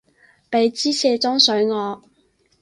畀枝卸妝水我